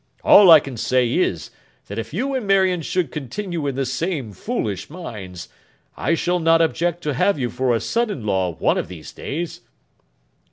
All I can say is, that if you and Marion should continue in the same foolish minds, I shall not object to have you for a son in law one of these days.